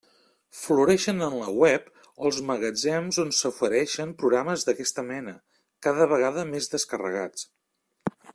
Floreixen en la web els magatzems on s'ofereixen programes d'aquesta mena, cada vegada més descarregats.